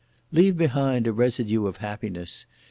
Leave behind a residue of happiness!